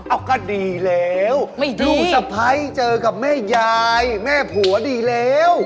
อ้าวก็ดีแล้วดูสะพ้ายเจอกับแม่ยายแม่ผัวดีแล้วไม่ดี